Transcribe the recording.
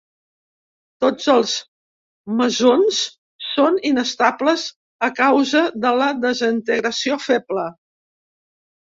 Tots els mesons són inestables a causa de la desintegració feble.